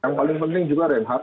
yang paling penting juga ren hardt